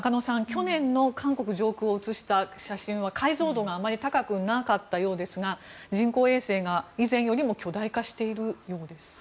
去年の韓国上空を映した映像は解像度があまり高くなかったようですが人工衛星が以前よりも巨大化しているようです。